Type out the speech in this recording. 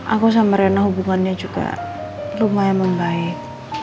aku sama rena hubungannya juga lumayan membaik